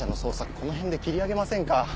このへんで切り上げませんか？